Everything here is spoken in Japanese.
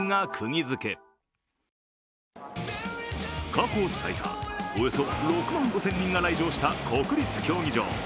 過去最多、およそ６万５０００人が来場した国立競技場。